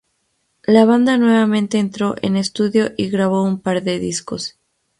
La banda nuevamente entró en estudio y grabó un par de discos.